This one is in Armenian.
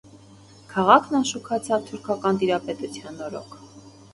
Քաղաքն անշուքացավ թուրքական տիրապետության օրոք։